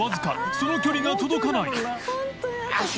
その距離が届かない春日）